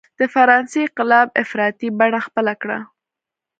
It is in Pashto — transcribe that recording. د فرانسې انقلاب افراطي بڼه خپله کړه.